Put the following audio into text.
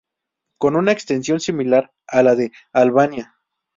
Con una extensión similar a la de Albania.